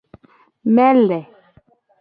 Mele.